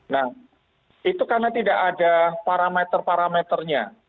nah itu karena tidak ada parameter parameternya